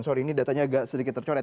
sore ini datanya agak sedikit tercoret